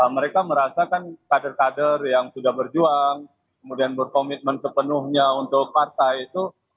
mereka merasakan kader kader yang sudah berjuang kemudian berkomitmen sepenuhnya untuk partai itu